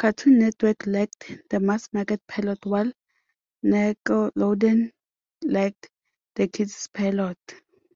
Cartoon Network liked the mass-market pilot, while Nickelodeon liked the kids' pilot.